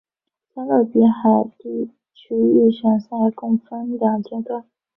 加勒比海地区预选赛共分两阶段。